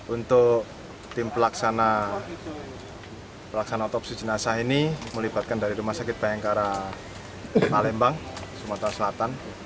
untuk tim pelaksanaan otopsi jenazah ini melibatkan dari rumah sakit bayangkara palembang sumatera selatan